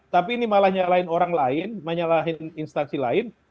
tapi ini malah menyalahkan instansi lain